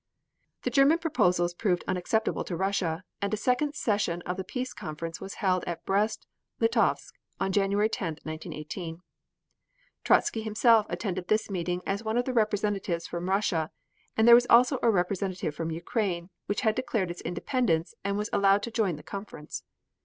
The German proposals proved unacceptable to Russia, and a second session of the peace conference was held at Brest Litovsk on January 10, 1918. Trotzky himself attended this meeting as one of the representatives from Russia, and there was also a representative from Ukraine, which had declared its independence, and was allowed to join the conference.